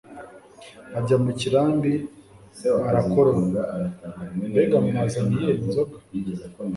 ajya mu kirambi Arakorora « Mbega mwanzaniye inzoga